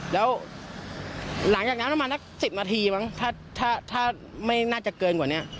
แล้วหลังจากนั้นประมาณสัก๑๐นาทีมั้งถ้าไม่น่าจะเกินกว่านี้